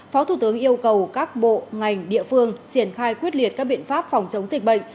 phó thủ tướng yêu cầu các bộ ngành địa phương triển khai quyết liệt các biện pháp phòng chống dịch bệnh